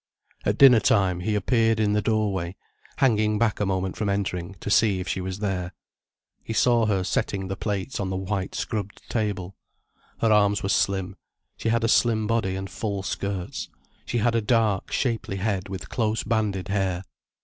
At dinner time, he appeared in the doorway, hanging back a moment from entering, to see if she was there. He saw her setting the plates on the white scrubbed table. Her arms were slim, she had a slim body and full skirts, she had a dark, shapely head with close banded hair.